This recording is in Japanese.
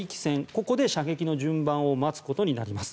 ここで射撃の順番を待つことになります。